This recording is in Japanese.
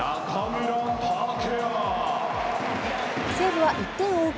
西武は１点を追う